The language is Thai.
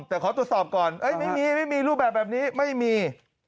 แต่ขอตรวจสอบก่อนไม่มีไม่มีรูปแบบนี้ไม่มี